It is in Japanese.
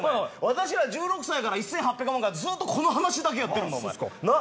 私は１６歳から１８００万回ずっとこの話だけやってるんだあっ